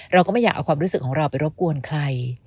เราก็ไม่อยากเอาความรู้สึกของเราไปรบกวนใคร